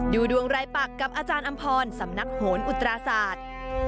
ดูดวงรายปักกับอาจารย์อำพรสำนักโหนอุตราศาสตร์